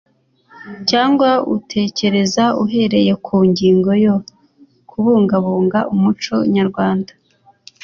cyangwa utekereza uhereye ku ngingo yo kubungabunga umuco nyarwanda.